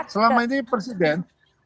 selama ini presiden